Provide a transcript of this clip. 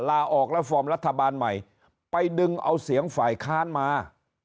ลาออกแล้วฟอร์มรัฐบาลใหม่ไปดึงเอาเสียงฝ่ายค้านมา